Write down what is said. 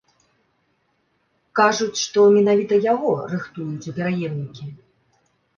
Кажуць, што менавіта яго рыхтуюць у пераемнікі.